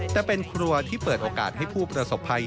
แต่เป็นครัวที่เปิดโอกาสให้ผู้ประสบภัย